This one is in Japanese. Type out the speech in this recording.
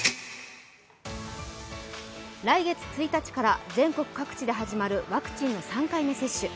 来月１日から全国各地で始まるワクチンの３回目接種。